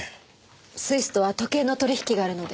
スイスとは時計の取引があるので。